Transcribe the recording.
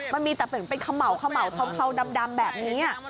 มันมีแต่เป็นเขม่าเขม่าวเทาดำแบบนี้